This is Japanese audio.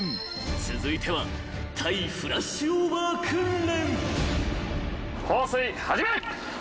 ［続いては対フラッシュオーバー訓練］